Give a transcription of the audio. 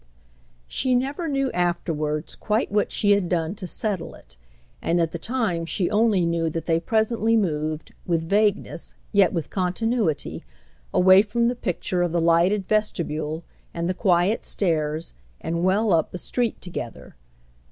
She never knew afterwards quite what she had done to settle it, and at the time she only knew that they presently moved, with vagueness, yet with continuity, away from the picture of the lighted vestibule and the quiet stairs and well up the street together.